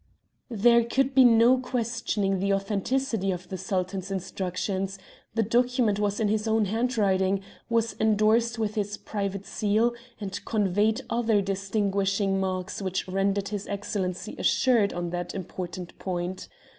"There could be no questioning the authenticity of the Sultan's instructions. The document was in his own handwriting, was endorsed with his private seal, and conveyed other distinguishing marks which rendered his Excellency assured on this important point.